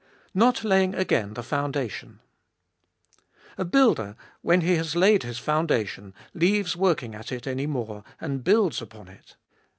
Not laying again the foundation. A builder, when he has laid his foundation, leaves working at it any more, and builds upon it.